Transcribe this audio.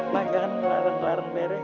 mak jangan ngelarang ngelarang merek